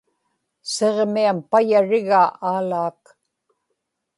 Siġmiam payarigaa Aalaak